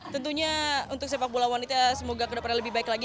tentunya untuk sepak bola wanita semoga kedepannya lebih baik lagi